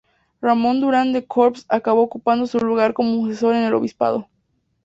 Ramón Durán de Corps acabó ocupando su lugar como sucesor en el obispado.